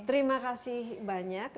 terima kasih banyak